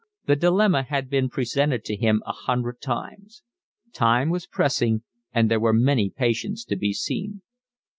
The dilemma had been presented to him a hundred times. Time was pressing and there were many patients to be seen.